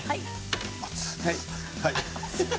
熱い。